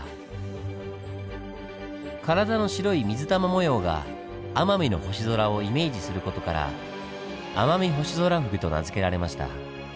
体の白い水玉模様が奄美の星空をイメージする事から「アマミホシゾラフグ」と名付けられました。